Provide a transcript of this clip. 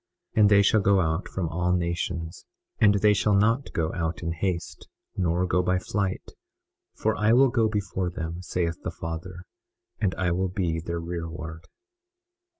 21:29 And they shall go out from all nations; and they shall not go out in haste, nor go by flight, for I will go before them, saith the Father, and I will be their rearward.